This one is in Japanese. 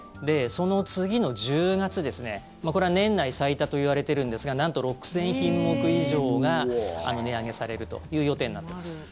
その次の１０月ですね、これは年内最多といわれているんですがなんと６０００品目以上が値上げされるという予定になっています。